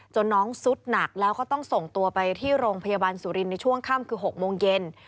น้องสุดหนักแล้วก็ต้องส่งตัวไปที่โรงพยาบาลสุรินทร์ในช่วงค่ำคือ๖โมงเย็น